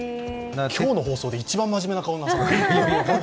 今日の放送で一番真面目な顔になっていますね。